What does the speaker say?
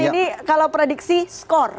ini kalau prediksi skor